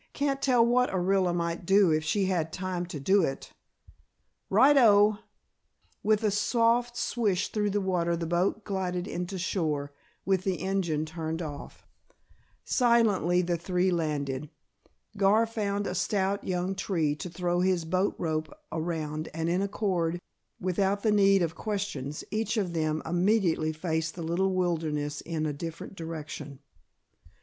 "Can't tell what Orilla might do if she had time to do it." "Right o!" With a soft swish through the water the boat glided into shore, with the engine turned off. Silently the three landed. Gar found a stout young tree to throw his boat rope around and in accord, without the need of questions, each of them immediately faced the little wilderness in a different direction.